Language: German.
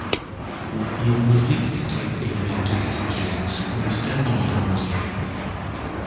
Ihre Musik enthält Elemente des Jazz und der Neuen Musik.